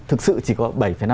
thực sự chỉ có bảy năm